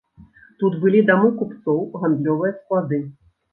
Тут былі дамы купцоў, гандлёвыя склады.